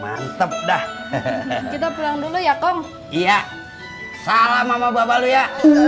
mantep dah kita pulang dulu ya kong iya salam sama bapak lu ya